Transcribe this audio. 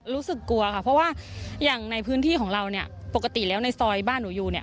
รู้สึกกลัวค่ะเพราะว่าอย่างในพื้นที่ของเราเนี่ยปกติแล้วในซอยบ้านหนูอยู่เนี่ย